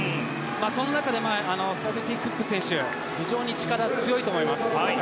その中でスタブルティ・クック選手は非常に力が強いと思います。